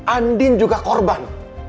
andin juga korban